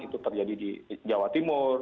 itu terjadi di jawa timur